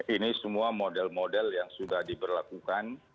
ini semua model model yang sudah diberlakukan